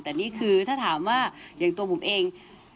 แต่นี่คือถ้าถามว่าอย่างตัวผมเอง